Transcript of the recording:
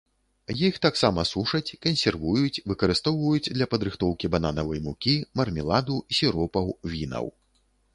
Іх таксама сушаць, кансервуюць, выкарыстоўваюць для падрыхтоўкі бананавай мукі, мармеладу, сіропаў, вінаў.